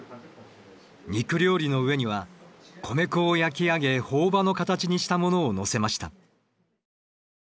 肉料理の上には米粉を焼き上げ朴葉の形にしたものを載せました。